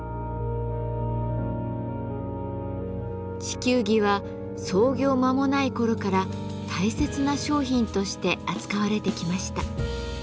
地球儀は創業間もない頃から大切な商品として扱われてきました。